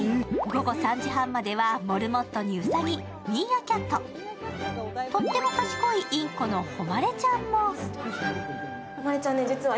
午後３時半まではモルモットにうさぎ、ミーアキャット、とっても賢いインコのほまれちゃんも。